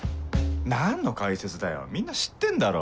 何の解説だよみんな知ってんだろ